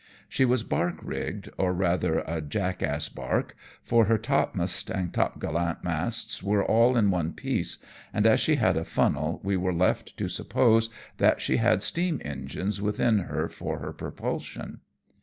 She was barque rigged, or rather a jack ass barque, for her topmast and topgallant masts were all in one piece, and as she had a funnel, we were left to suppose that she had steam engines within her for her propulsion.